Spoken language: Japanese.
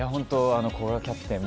古賀キャプテン